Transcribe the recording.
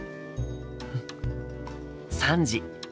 うん３時。